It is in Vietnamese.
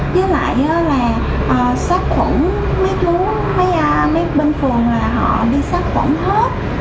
với lại là sát khuẩn mấy chú mấy bên phường là họ đi sát khuẩn hết